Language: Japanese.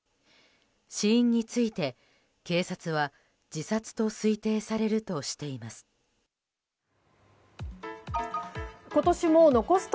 死因について警察は自殺と推定されるとしています。